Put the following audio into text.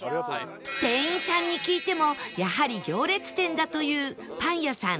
店員さんに聞いてもやはり行列店だというパン屋さん